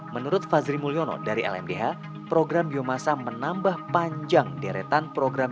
menurut fazri mulyono dari lmdh program biomasa menambah panjang deretan program